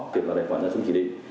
chuyển vào tài khoản cho chúng chỉ định